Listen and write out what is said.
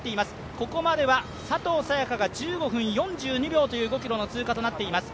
ここまでは佐藤早也伽が１５分４２秒という５ｋｍの通過となっています。